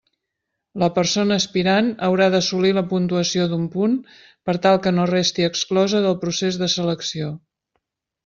La persona aspirant haurà d'assolir la puntuació d'un punt per tal que no resti exclosa del procés de selecció.